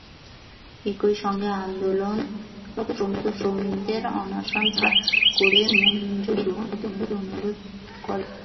একই সঙ্গে আন্দোলনরত শ্রমিকদের অনশন প্রত্যাহার করে মজুরি গ্রহণ করতে অনুরোধ করেন।